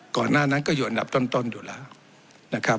ก่อนหน้านั้นก็อยู่อันดับต้นอยู่แล้วนะครับ